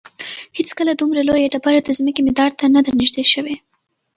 هیڅکله دومره لویه ډبره د ځمکې مدار ته نه ده نږدې شوې.